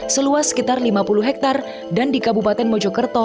seluas sekitar lima puluh hektare dan di kabupaten mojokerto